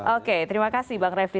oke terima kasih bang refli